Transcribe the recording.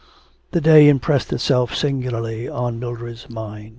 The day impressed itself singularly on Mildred's mind.